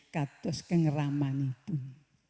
katoskeng ramani pun